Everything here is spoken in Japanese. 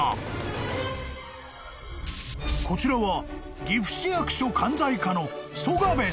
［こちらは］